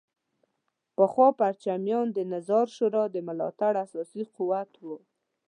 پخوا پرچمیان د نظار شورا د ملاتړ اساسي قوت وو.